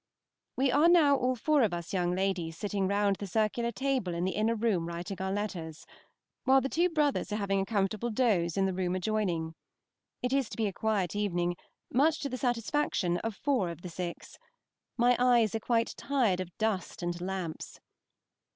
We are now all four of us young ladies sitting round the circular table in the inner room writing our letters, while the two brothers are having a comfortable coze in the room adjoining. It is to be a quiet evening, much to the satisfaction of four of the six. My eyes are quite tired of dust and lamps.